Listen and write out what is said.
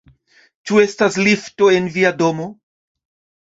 Ĉu estas lifto en via domo?